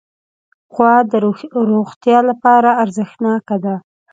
غوا د روغتیا لپاره ارزښتناکه ده.